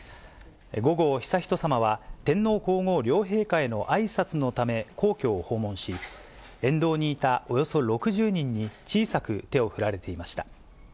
午後、悠仁さまは天皇皇后両陛下へのあいさつのため、皇居を訪問し、沿道にいたおよそ６０人に、小さく手を振られていました。